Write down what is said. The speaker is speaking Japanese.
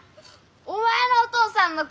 お前のお父さんの声。